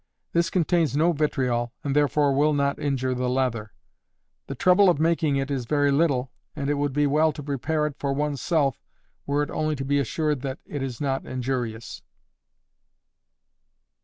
This contains no vitriol, and therefore will not injure the leather. The trouble of making it is very little, and it would be well to prepare it for one's self, were it only to be assured that it is not injurious.